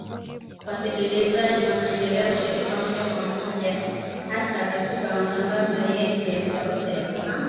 Wasikilizaji waendelea kushiriki moja kwa moja hasa katika matangazo yetu ya sauti ya Afrika